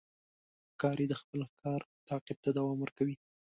ښکاري د خپل ښکار تعقیب ته دوام ورکوي.